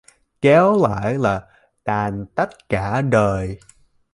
Khéo lại là tàn tật cả đời